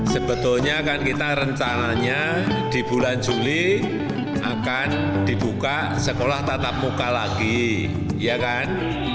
sebetulnya kan kita rencananya di bulan juli akan dibuka sekolah tatap muka lagi ya kan